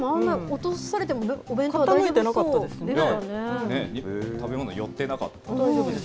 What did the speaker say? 落とされてもお弁当は食べ物寄ってなかったですよ